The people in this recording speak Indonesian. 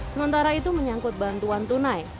sementara itu menyangkut bantuan tunai